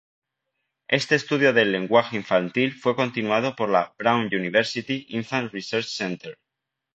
Este estudio del lenguaje infantil fue continuado por la Brown University Infant Research Center.